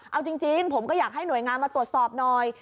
เอาจริงผมก็อยากให้หน่วยงานมาตรวจสอบหน่อย